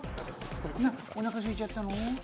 おなかすいちゃったの？